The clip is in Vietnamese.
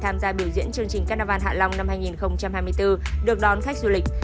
tham gia biểu diễn chương trình các na van hạ long năm hai nghìn hai mươi bốn được đón khách du lịch